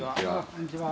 こんにちは。